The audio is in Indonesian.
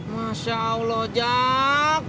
masya allah jak